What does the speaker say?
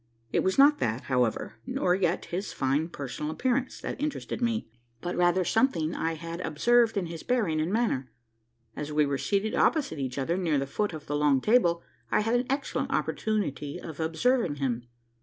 It was not that, however, nor yet his fine personal appearance, that interested me; but rather something I had observed in his bearing and manner. As we were seated opposite each other, near the foot of the long table, I had an excellent opportunity of observing him.